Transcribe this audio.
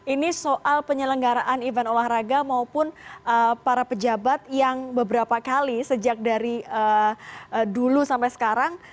ini soal penyelenggaraan event olahraga maupun para pejabat yang beberapa kali sejak dari dulu sampai sekarang